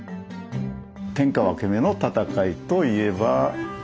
天下分け目の戦いといえば？